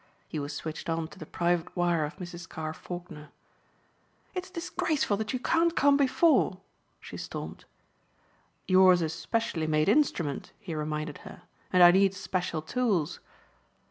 He was switched on to the private wire of Mrs. Carr Faulkner. "It's disgraceful that you can't come before," she stormed. "Yours is specially made instrument," he reminded her, "and I need special tools."